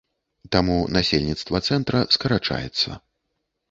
Таму насельніцтва цэнтра скарачаецца.